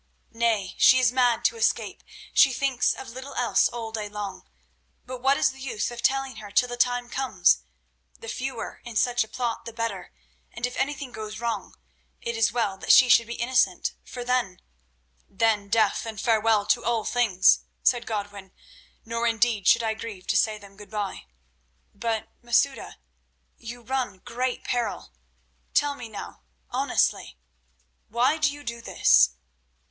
"Nay, she is mad to escape; she thinks of little else all day long. But what is the use of telling her till the time comes? The fewer in such a plot the better, and if anything goes wrong, it is well that she should be innocent, for then—" "Then death, and farewell to all things," said Godwin; "nor indeed should I grieve to say them good bye. But, Masouda, you run great peril. Tell me now, honestly, why do you do this?"